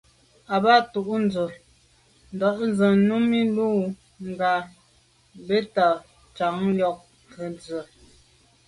Àbâ tɔ̌ tûɁndá zə̄ Númí lù ngə́ bɛ́tə́ càŋ ŋkɔ̀k tə̀tswə́.